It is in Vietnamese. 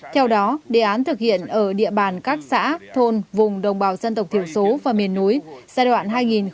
theo đó đề án thực hiện ở địa bàn các xã thôn vùng đồng bào dân tộc thiểu số và miền núi giai đoạn hai nghìn một mươi sáu hai nghìn hai mươi